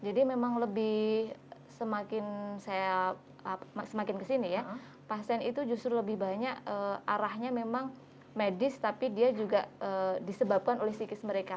jadi memang lebih semakin saya semakin ke sini ya pasien itu justru lebih banyak arahnya memang medis tapi dia juga disebabkan oleh psikis mereka